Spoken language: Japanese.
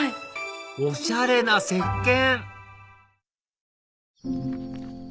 おしゃれなせっけん！